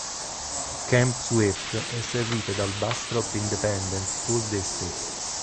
Camp Swift è servita dal Bastrop Independent School District.